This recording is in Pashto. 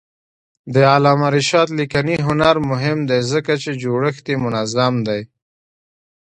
د علامه رشاد لیکنی هنر مهم دی ځکه چې جوړښت یې منظم دی.